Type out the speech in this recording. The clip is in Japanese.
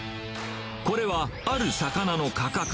これは、ある魚の価格。